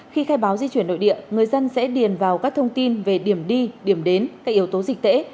khi khai báo di chuyển nội địa người dân sẽ điền vào các thông tin về điểm đi điểm đến các yếu tố dịch tễ